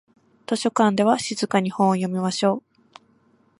図書館では静かに本を読みましょう。